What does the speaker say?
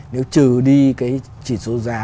nếu trừ đi cái chỉ số giá